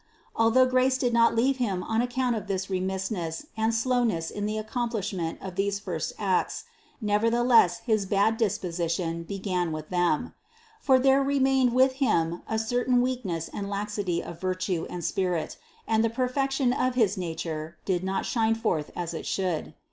Although grace did not leave him on account of this remissness and slowness in the accomplishment of these first acts, nevertheless his bad disposition be gan with them; for there remained with him a certain weakness and laxity of virtue and spirit, and the perfec tion of his nature did not shine forth as it should.